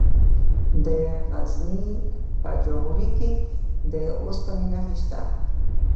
د غزني په جاغوري کې د اوسپنې نښې شته.